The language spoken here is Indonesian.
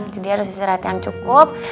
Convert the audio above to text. jadi harus istirahat yang cukup